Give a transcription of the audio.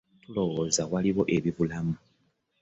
Tulowooza nti waliwo ebibulamu.